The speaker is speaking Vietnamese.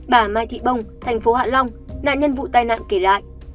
bà mai thị bông thành phố hạ long nạn nhân vụ tai nạn kể lại